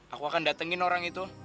aku akan datengin orang itu